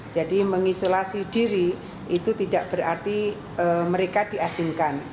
jadi mengisolasi diri itu tidak berarti mereka diasingkan